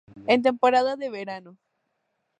En temporada de verano